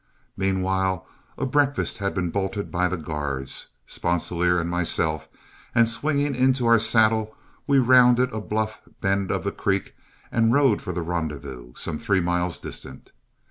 Meanwhile a breakfast had been bolted by the guards, Sponsilier, and myself, and swinging into our saddles, we rounded a bluff bend of the creek and rode for the rendezvous, some three miles distant.